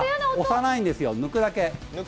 押さないんですよ、抜くだけ。